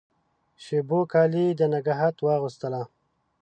شېبو کالي د نګهت واغوستله